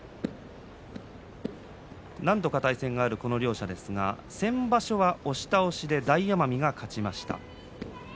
何度か対戦があるこの両者ですが先場所は押し倒しで大奄美が勝ちました。